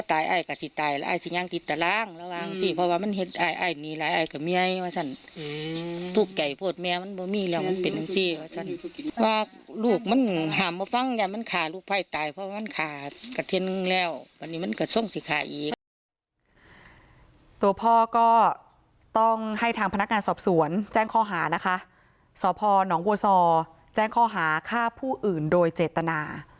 ตัวพ่อก็ต้องให้ทางพนักงานสอบสวนแจ้งข้อหานะคะสพนบัวซอแจ้งข้อหาฆ่าผู้อื่นโดยเจตนา